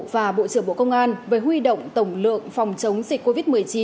và bộ trưởng bộ công an về huy động tổng lượng phòng chống dịch covid một mươi chín